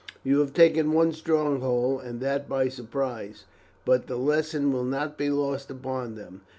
"You have taken one stronghold, and that by surprise, but the lesson will not be lost upon them.